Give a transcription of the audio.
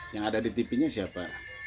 yang ada di tv nya siapa